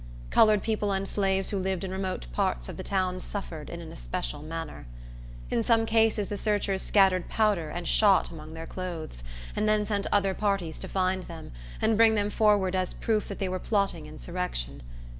Colored people and slaves who lived in remote parts of the town suffered in an especial manner. In some cases the searchers scattered powder and shot among their clothes, and then sent other parties to find them, and bring them forward as proof that they were plotting insurrection.